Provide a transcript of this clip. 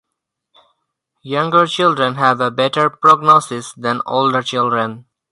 Younger children have a better prognosis than older children.